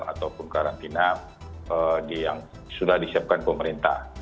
ataupun karantina yang sudah disiapkan pemerintah